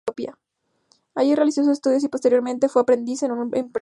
Allí realizó sus estudios y posteriormente fue aprendiz en una imprenta.